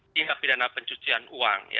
tindak pidana pencucian uang